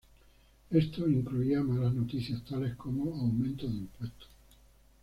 Esto incluía malas noticias tales como aumento de impuesto.